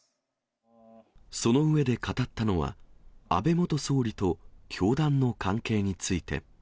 その上で語ったのは、安倍元総理と教団の関係について。